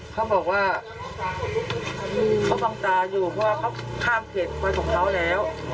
เขาบอกว่าเขาบังตาอยู่เพราะว่าเขาข้ามเขตไปของเขาแล้ว